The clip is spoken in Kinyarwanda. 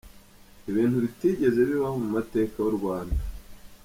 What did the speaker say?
Ibintu bitigeze bibaho mu mateka y’U Rwanda.